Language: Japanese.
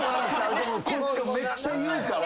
こいつがめっちゃ言うから。